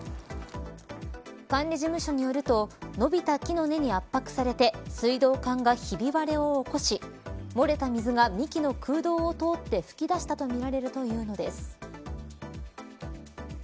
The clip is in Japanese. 管理事務所によると伸びた木の根に圧迫されて水道管が、ひび割れを起こし漏れた水が幹の空洞を通って吹き出したとみられるというのです。